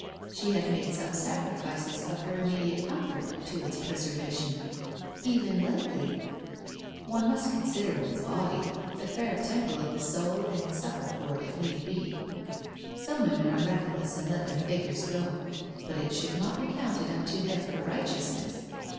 She had made some sacrifices of her im mediate comfort to its preservation, even lately ... One must consider one's body, the fair temple of the soul and suffer for it if need be. Some women are reckless and let their figures go, but it should not be counted unto them for righteousness.